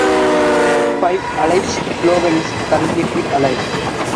Five Alive's slogan is currently Feel Alive!